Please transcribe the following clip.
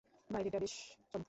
বাইরেটা বেশ চমৎকার।